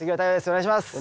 お願いします。